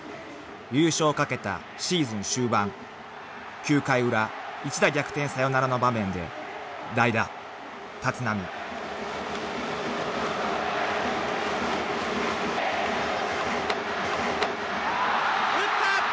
［優勝を懸けたシーズン終盤９回裏一打逆転サヨナラの場面で代打立浪］打った！